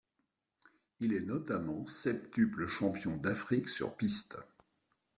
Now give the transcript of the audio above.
Il est notamment septuple champion d'Afrique sur piste.